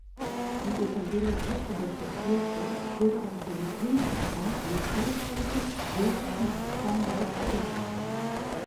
Die evangelisch-lutherische Kirche wurde auf den Grundmauern eines ehemaligen gotischen Backsteinbaus errichtet.